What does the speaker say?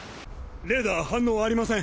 レーダー反応ありません。